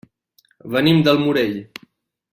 Venim del Morell.